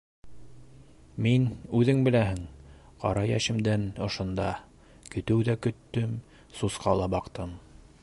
Мин, үҙең беләһең, ҡара йәшемдән ошонда: көтөү ҙә көттөм, сусҡа ла баҡтым.